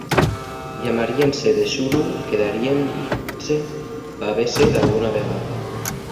Llamaríense, de xuru, quedaríen pa vese dalguna vegada.